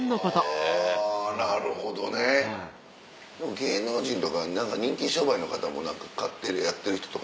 はぁなるほどね。芸能人とか人気商売の方も買ってやってる人とか。